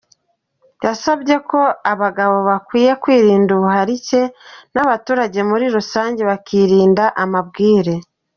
Yasabye ko abagabo bakwiye kwirinda ubuharike, n’abaturage muri rusange bakirinda amabwire.